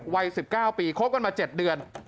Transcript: วัย๑๙ปีคบกันมา๗เดือน